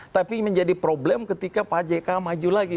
tapi menjadi problem ketika pak jk maju lagi